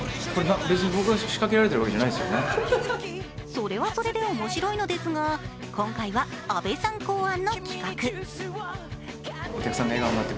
それはそれで面白いのですが今回は阿部さん考案の企画。